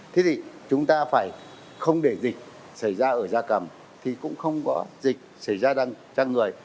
thế thì chúng ta phải không để dịch xảy ra ở da cầm thì cũng không có dịch xảy ra đằng sang người